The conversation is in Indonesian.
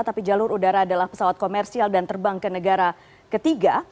tapi jalur udara adalah pesawat komersial dan terbang ke negara ketiga